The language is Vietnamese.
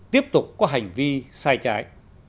tiếp tục có hành vi sai trái